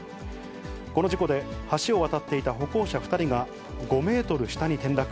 この事故で、橋を渡っていた歩行者２人が５メートル下に転落。